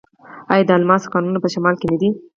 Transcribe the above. آیا د الماس کانونه په شمال کې نه دي؟